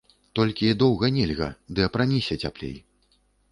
Толькі доўга нельга, ды апраніся цяплей.